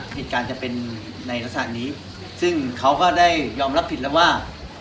เหตุการณ์จะเป็นในลักษณะนี้ซึ่งเขาก็ได้ยอมรับผิดแล้วว่า